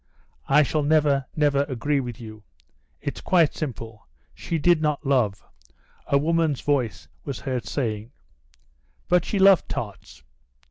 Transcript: "I shall never, never agree with you. It's quite simple; she did not love," a woman's voice was heard saying. "But she loved tarts."